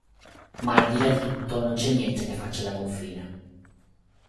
Ma al di là di tutto non c'è niente che faccia da confine.